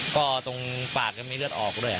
ก่อตรงปากในเลือดออกเรื่อย